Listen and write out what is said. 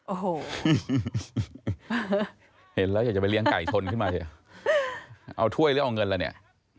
โอ้โหเห็นแล้วอยากจะไปเลี้ยไก่ชนขึ้นมาสิเอาถ้วยหรือเอาเงินแล้วเนี่ย